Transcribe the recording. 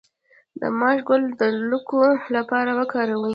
د ماش ګل د لکو لپاره وکاروئ